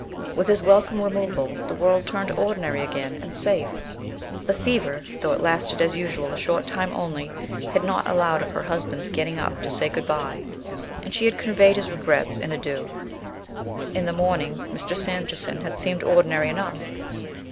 With his welcome removal, the world turned ordinary again and safe. The fever, though it lasted as usual a short time only, had not allowed of her husband's getting up to say good bye, and she had conveyed his regrets and adieux. In the morning Mr. Sanderson had seemed ordinary enough.